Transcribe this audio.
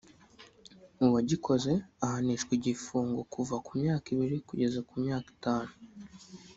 uwagikoze ahanishwa igifungo kuva ku myaka ibiri kugeza ku myaka itanu